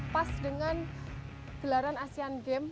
pas dengan gelaran asean games